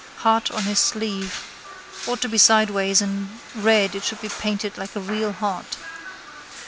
Heart on his sleeve. Ought to be sideways and red it should be painted like a real heart.